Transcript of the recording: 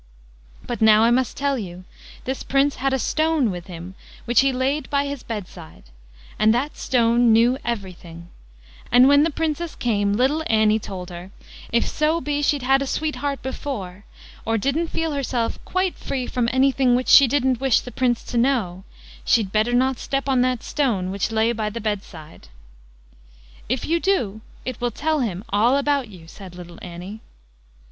But now I must tell you this Prince had a stone with him which he laid by his bedside, and that stone knew everything, and when the Princess came little Annie told her, if so be she'd had a sweetheart before, or didn't feel herself quite free from anything which she didn't wish the Prince to know, she'd better not step on that stone which lay by the bedside. "If you do, it will tell him all about you", said little Annie.